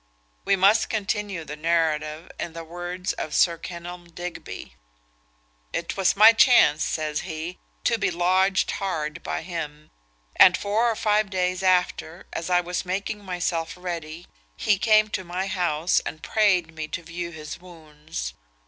We must continue the narrative in the words of Sir Kenelm Digby: "It was my chance," says he, "to be lodged hard by him; and four or five days after, as I was making myself ready, he came to my house, and prayed me to view his wounds.